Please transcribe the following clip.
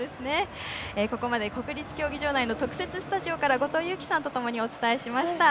ここまで国立競技場内の特設スタジオから後藤佑季さんとお伝えしました。